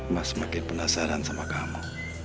mas makin penasaran sama kamu